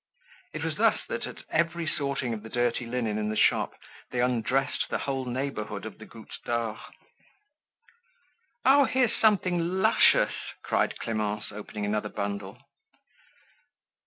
It was thus that at every sorting of the dirty linen in the shop they undressed the whole neighborhood of the Goutte d'Or. "Oh, here's something luscious!" cried Clemence, opening another bundle.